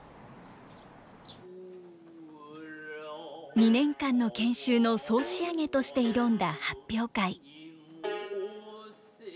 ２年間の研修の総仕上げとして挑んだ発表会。